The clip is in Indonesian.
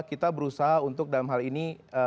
kita berusaha untuk dalam hal ini